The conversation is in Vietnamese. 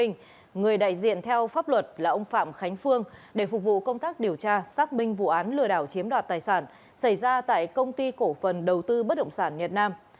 người đại diện theo pháp luật là ông phạm khánh phương để phục vụ công tác điều tra xác minh vụ án lừa đảo chiếm đoạt tài sản xảy ra tại công ty cổ phần đầu tư bất động sản nhật nam